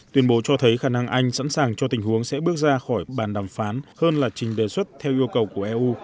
tuyên bố cho thấy khả năng anh sẵn sàng cho tình huống sẽ bước ra khỏi bàn đàm phán hơn là trình đề xuất theo yêu cầu của eu